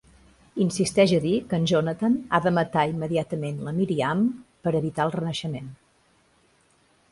Insisteix a dir que en Jonathan ha de matar immediatament la Miriam per evitar el renaixement.